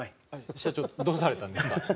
社長どうされたんですか？